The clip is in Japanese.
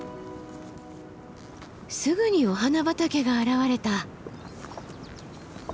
すぐにお花畑が現れた。